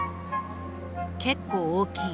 結構大きい。